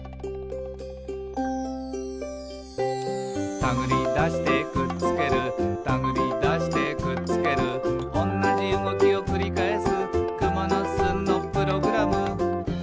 「たぐりだしてくっつけるたぐりだしてくっつける」「おんなじうごきをくりかえす」